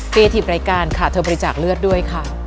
ถีบรายการค่ะเธอบริจาคเลือดด้วยค่ะ